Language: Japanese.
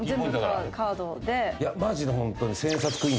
マジでホントに。